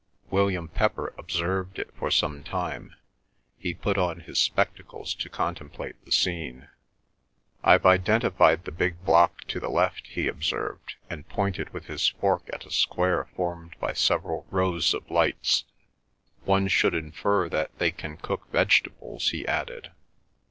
William Pepper observed it for some time; he put on his spectacles to contemplate the scene. "I've identified the big block to the left," he observed, and pointed with his fork at a square formed by several rows of lights. "One should infer that they can cook vegetables," he added.